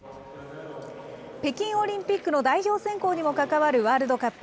北京オリンピックの代表選考にも関わるワールドカップ。